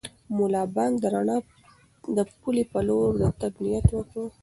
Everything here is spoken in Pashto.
ملا بانګ د رڼا د پولې په لور د تګ نیت وکړ.